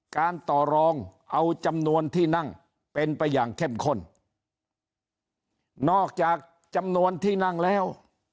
การต่อรองเอาจำนวนที่นั่งเป็นไปอย่างเข้มข้นนอกจากจำนวนที่นั่งแล้ว